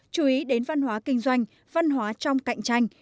chú ý đến văn hóa kinh doanh văn hóa trong cạnh tranh